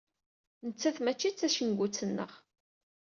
Nettat mačči d tacengut-nneɣ.